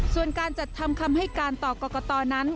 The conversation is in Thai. ส่วนการจัดทำคำให้การต่อกรกตนั้น